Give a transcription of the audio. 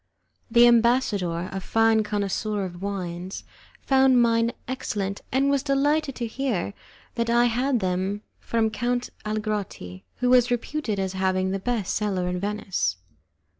The ambassador, a fine connoisseur in wines, found mine excellent, and was delighted to hear that I had them from Count Algarotti, who was reputed as having the best cellar in Venice.